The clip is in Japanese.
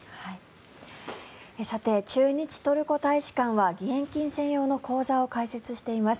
駐日トルコ大使館は義援金専用の口座を開設しています。